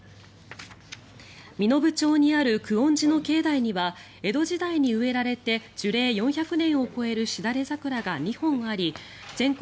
身延町にある久遠寺の境内には江戸時代に植えられて樹齢４００年を超えるシダレザクラが２本あり全国